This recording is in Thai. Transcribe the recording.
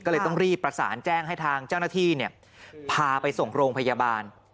ก็เลยต้องรีบประสานแจ้งให้ทางเจ้าหน้าที่พาไปส่งโรงพยาบาล